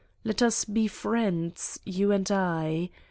Let us be friends, you and I.